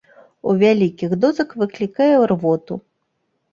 У вялікіх дозах выклікае рвоту.